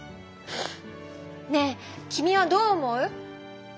ねえ君はどう思う？